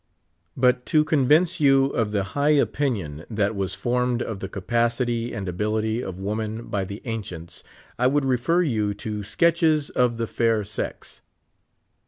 But to convince vou of tlie high opinion that was formed of the capacity and ability of woman by the ancients, I would refer you to " Sketches of the Fair Sex."